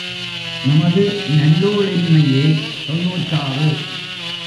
நமது நல்லூழின்மையே! தொன்னூற்றாறு.